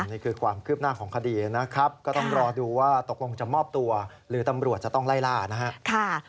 นี่คือความคืบหน้าของคดีนะครับก็ต้องรอดูว่าตกลงจะมอบตัวหรือตำรวจจะต้องไล่ล่านะครับ